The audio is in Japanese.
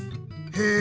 へえ！